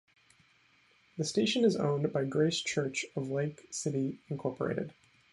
The station is owned by Grace Church of Lake City Inc.